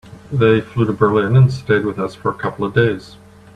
They flew to Berlin and stayed with us for a couple of days.